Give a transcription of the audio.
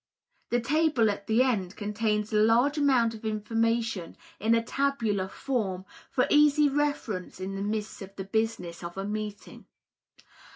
[The table at the end contains a large amount of information in a tabular form, for easy reference in the midst of the business of a meeting.